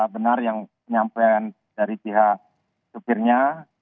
benar yang penyampaian dari pihak supirnya